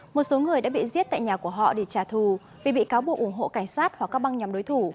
một số người đã bị giết tại nhà của họ để trả thù vì bị cáo buộc ủng hộ cảnh sát hoặc các băng nhóm đối thủ